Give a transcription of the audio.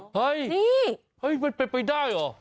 เฮ้ยมันเป็นไปได้เหรอ